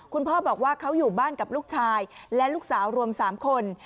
คุณพ่อบอกว่าเขาอยู่บ้านกับลูกชายและลูกสาวรวม๓คน